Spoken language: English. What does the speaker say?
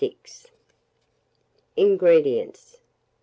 INGREDIENTS.